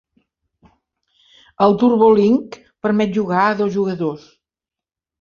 El "TurboLink" permet jugar a dos jugadors.